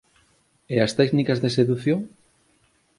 E as técnicas de sedución?